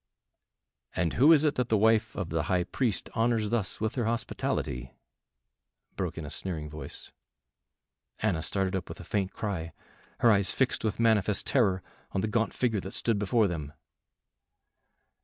"And who is it that the wife of the High Priest honors thus with her hospitality?" broke in a sneering voice. Anna started up with a faint cry, her eyes fixed with manifest terror on the gaunt figure that stood before them.